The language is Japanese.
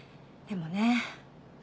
でもね。